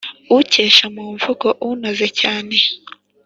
ukeshe mu mvugo unoze cyane